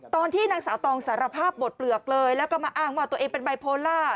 ตอนที่นางสาวตองสารภาพหมดเปลือกเลยแล้วก็มาอ้างว่าตัวเองเป็นไบโพล่า